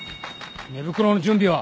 寝袋の準備は。